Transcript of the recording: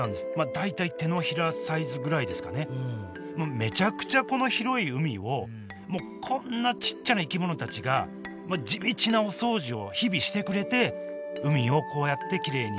めちゃくちゃこの広い海をこんなちっちゃな生き物たちが地道なお掃除を日々してくれて海をこうやってきれいにしてくれていると。